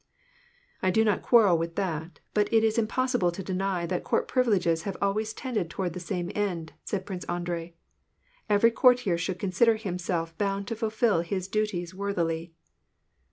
" I do not quarrel with that, but it is impossible to deny that court privileges have always tended toward the same end," said Prince Andrei. " Every courtier should consider himself bound to fulfil his duties worthily."